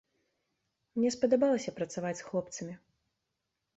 Мне спадабалася працаваць з хлопцамі.